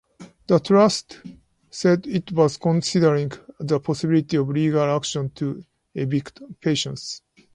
The Trust said it was considering the possibility of legal action to evict patients.